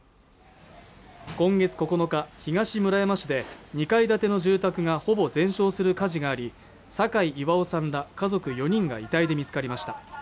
今月９日東村山市で２階建ての住宅がほぼ全焼する火事があり酒井巌さんら家族４人が遺体で見つかりました